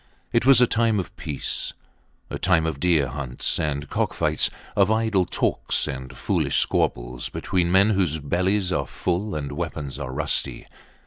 It was a time of peace. A time of deer hunts and cock fights; of idle talks and foolish squabbles between men whose bellies are full and weapons are rusty.